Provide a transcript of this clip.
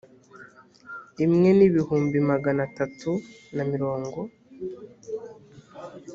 imwe n’ibihumbi magana atatu na mirongo